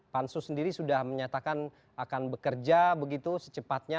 pansus sendiri sudah menyatakan akan bekerja begitu secepatnya